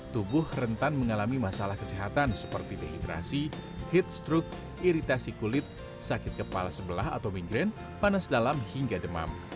tubuh rentan mengalami masalah kesehatan seperti dehidrasi heat stroke iritasi kulit sakit kepala sebelah atau migrain panas dalam hingga demam